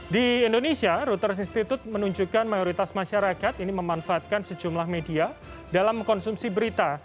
di indonesia router institute menunjukkan mayoritas masyarakat ini memanfaatkan sejumlah media dalam mengkonsumsi berita